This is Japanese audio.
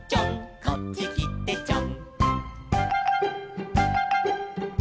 「こっちきてちょん」